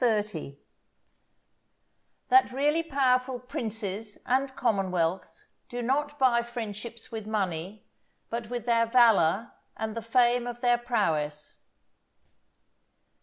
—_That really powerful Princes and, Commonwealths do not buy Friendships with Money, but with their Valour and the Fame of their Prowess_.